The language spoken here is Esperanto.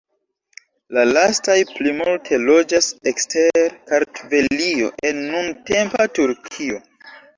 La lastaj plimulte loĝas ekster Kartvelio, en nuntempa Turkio.